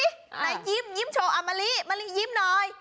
ไหนยิ้มยิ้มโชว์อามะลิมะลิยิ้มหน่อย